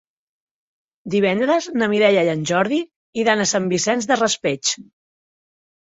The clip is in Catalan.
Divendres na Mireia i en Jordi iran a Sant Vicent del Raspeig.